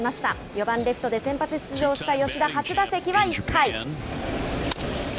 ４番レフトで先発出場した吉田、初打席は１回。